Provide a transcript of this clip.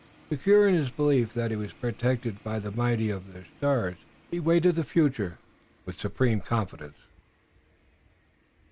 Secure in his belief that he was protected by the mighty on their stars, he awaited the future with supreme confidence.